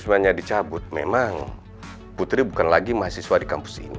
semuanya dicabut memang putri bukan lagi mahasiswa di kampus ini